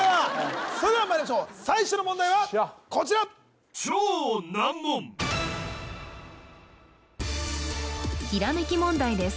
それではまいりましょう最初の問題はこちらひらめき問題です